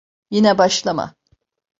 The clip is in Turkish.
Yine başlama!